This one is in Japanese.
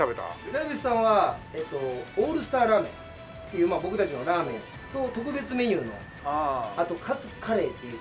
ダルビッシュさんはオールスターラーメンっていう僕たちのラーメンと特別メニューのあとカツカレーっていって。